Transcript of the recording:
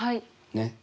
ねっ。